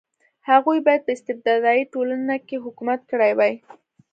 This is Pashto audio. هغوی باید په استبدادي ټولنه کې حکومت کړی وای.